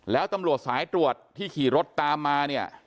แล้วตำรวจสายตรวจที่ขี่รถตามมาเนี่ย